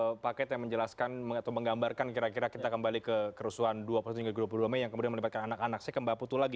bagaimana paket yang menjelaskan atau menggambarkan kira kira kita kembali ke kerusuhan dua tujuh dua puluh dua mei yang kemudian menyebabkan anak anaknya kembaputu lagi